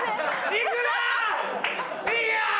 行くな！